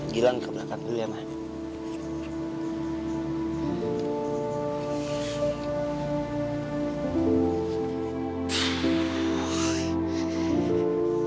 gilang ke belakang dulu ya mama